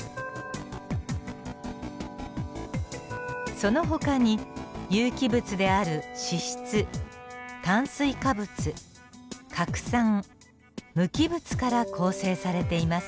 そのほかに有機物である脂質炭水化物核酸無機物から構成されています。